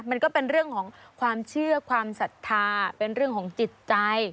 มันก็เป็นเรื่องของความเชื่อความศรัทธาเป็นเรื่องของจิตใจ